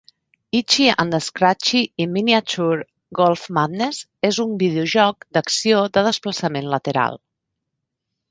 "Itchy and Scratchy in Miniature Golf Madness" és un videojoc d'acció de desplaçament lateral.